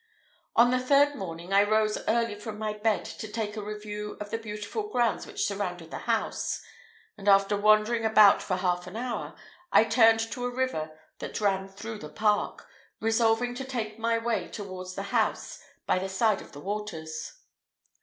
On the third morning, I rose early from my bed to take a review of the beautiful grounds which surrounded the house; and after wandering about for half an hour, I turned to a river that ran through the park, resolving to take my way towards the house by the side of the waters.